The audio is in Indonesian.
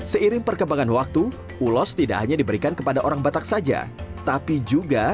seiring perkembangan waktu ulos tidak hanya diberikan kepada orang batak saja tapi juga